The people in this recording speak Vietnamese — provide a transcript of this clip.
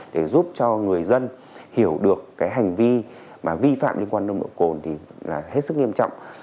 để giúp cho người dân hiểu được hành vi vi phạm liên quan đến nông độ cồn